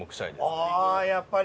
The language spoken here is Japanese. ああーやっぱり！